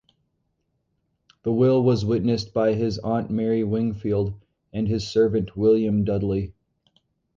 The will was witnessed by his aunt Mary Wingfield and his servant William Dudley.